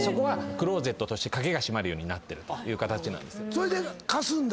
それで貸すんだ。